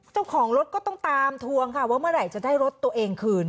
เจ้าของรถก็ต้องตามทวงค่ะว่าเมื่อไหร่จะได้รถตัวเองคืน